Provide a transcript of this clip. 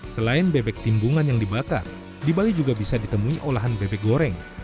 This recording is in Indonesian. selain bebek timbungan yang dibakar di bali juga bisa ditemui olahan bebek goreng